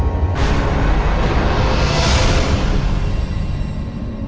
โทษใจโทษใจโทษใจโทษใจโทษใจ